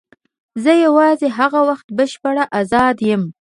زه یوازې هغه وخت بشپړ آزاد یم.